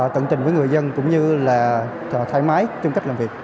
tận trình với người dân cũng như là thoải mái trong cách làm việc